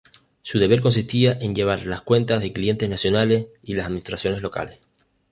Su deber consistía en llevar las cuentas de clientes nacionales y las administraciones locales.